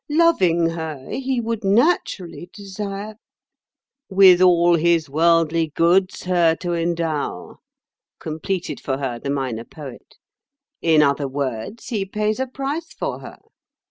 Loving her, he would naturally desire—" "With all his worldly goods her to endow," completed for her the Minor Poet. "In other words, he pays a price for her.